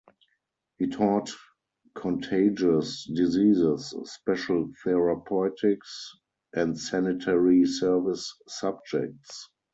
He taught contagious diseases, special therapeutics, and sanitary service subjects.